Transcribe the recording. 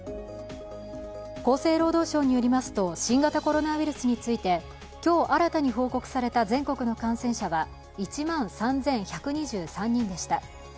厚生労働省によりますと新型コロナウイルスについて今日新たに報告された全国の感染者は１万３１２３人でした。